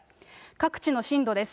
各地の震度です。